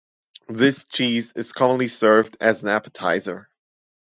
This cheese is commonly served as an appetizer.